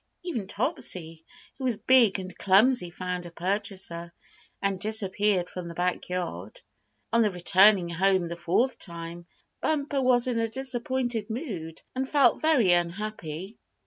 Even Topsy, who was big and clumsy, found a purchaser, and disappeared from the backyard. On returning home the fourth time, Bumper was in a disappointed mood, and felt very unhappy.